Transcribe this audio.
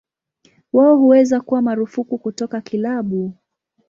Wao huweza kuwa marufuku kutoka kilabu.